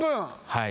はい。